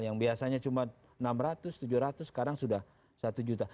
yang biasanya cuma enam ratus tujuh ratus sekarang sudah satu juta